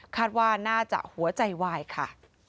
ว่าน่าจะหัวใจวายค่ะ